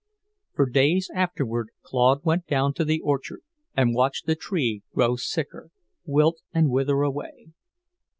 For days afterward Claude went down to the orchard and watched the tree grow sicker, wilt and wither away.